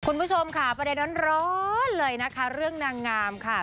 คุณผู้ชมค่ะประเด็นร้อนเลยนะคะเรื่องนางงามค่ะ